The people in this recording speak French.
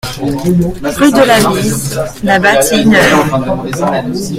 Rue de la Bise, La Bâtie-Neuve